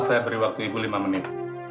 saya beri waktu ibu lima menit